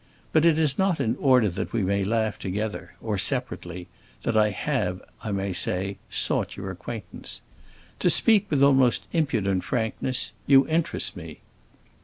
But it is not in order that we may laugh together—or separately—that I have, I may say, sought your acquaintance. To speak with almost impudent frankness, you interest me!"